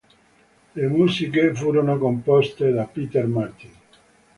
Le musiche furono composte da Peter Martin.